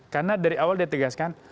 karena dari awal ditegaskan